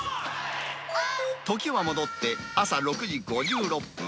時は戻って朝６時５６分。